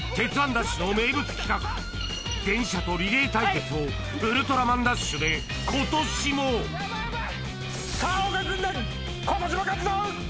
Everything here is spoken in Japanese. ＤＡＳＨ‼』の名物企画電車とリレー対決を『ウルトラマンＤＡＳＨ』で今年も・今年も勝つぞ！